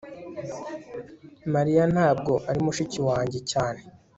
mariya ntabwo ari mushiki wanjye cyane